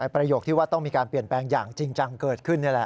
ประโยคที่ว่าต้องมีการเปลี่ยนแปลงอย่างจริงจังเกิดขึ้นนี่แหละ